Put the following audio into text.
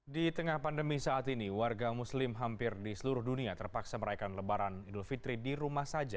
di tengah pandemi saat ini warga muslim hampir di seluruh dunia terpaksa meraihkan lebaran idul fitri di rumah saja